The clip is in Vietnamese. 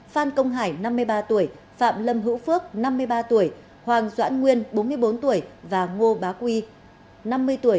phan công hải năm mươi ba tuổi phạm lâm hữu phước năm mươi ba tuổi hoàng doãn nguyên bốn mươi bốn tuổi và ngô bá quy năm mươi tuổi